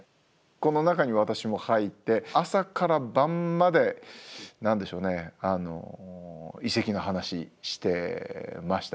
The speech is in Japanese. この中に私も入って朝から晩まで何でしょうね遺跡の話してました。